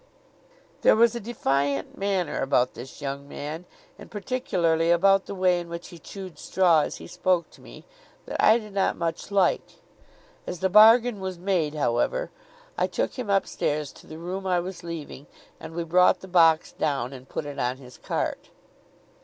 There was a defiant manner about this young man, and particularly about the way in which he chewed straw as he spoke to me, that I did not much like; as the bargain was made, however, I took him upstairs to the room I was leaving, and we brought the box down, and put it on his cart.